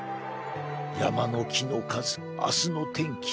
山の木の数明日の天気